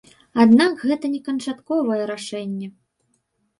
Аднак гэта не канчатковае рашэнне.